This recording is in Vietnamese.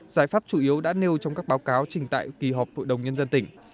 giải pháp chủ yếu đã nêu trong các báo cáo trình tại kỳ họp hội đồng nhân dân tỉnh